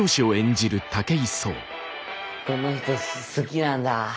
この人好きなんだ。